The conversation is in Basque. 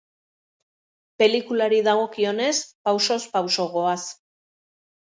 Pelikulari dagokionez, pausoz pauso goaz.